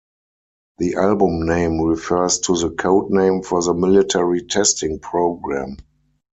The album name refers to the code name for the military testing program.